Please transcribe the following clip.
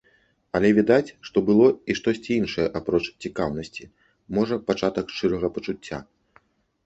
Але відаць, што было і штосьці іншае апроч цікаўнасці, можа, пачатак шчырага пачуцця.